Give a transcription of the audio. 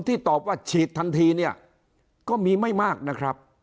ตอบว่าฉีดทันทีเนี่ยก็มีไม่มากนะครับ